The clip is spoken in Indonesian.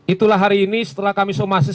itulah hari ini setelah kami somasi